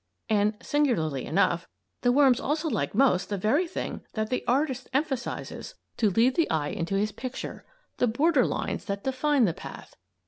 And, singularly enough, the worms also like most the very thing that the artist emphasizes to lead the eye into his picture the border lines that define the path.